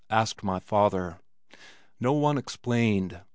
asked my father. No one explained.